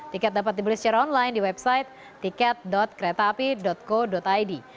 tiket dapat dibeli secara online di website tiket kereta api co id